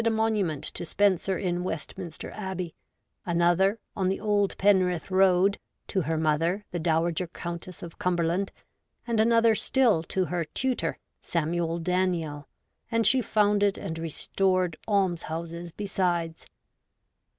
a monument to Spenser in Westminster Abbey, another — on the old Penrith road — to her mother, the Dowager Ccuitess of Cumberland, and another still to her tutor, Samuel Daniel, and she founded and restored almshouses besides.